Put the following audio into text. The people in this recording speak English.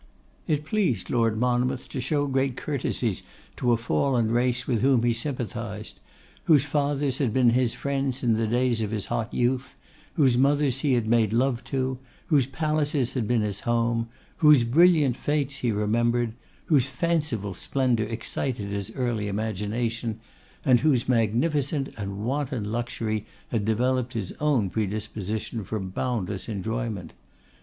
It pleased Lord Monmouth to show great courtesies to a fallen race with whom he sympathised; whose fathers had been his friends in the days of his hot youth; whose mothers he had made love to; whose palaces had been his home; whose brilliant fêtes he remembered; whose fanciful splendour excited his early imagination; and whose magnificent and wanton luxury had developed his own predisposition for boundless enjoyment.